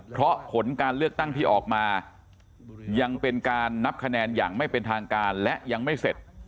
เพราะผลการเลือกตั้งที่ออกมายังเป็นการนับคะแนนอย่างไม่เป็นทางการและยังไม่เสร็จ